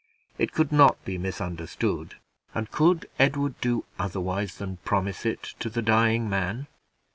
It could not be misunderstood, and could Edward do otherwise than promise it to the dying man?